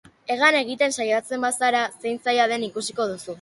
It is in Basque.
Hegan egiten saiatzen bazara, zein zaila den ikusiko duzu.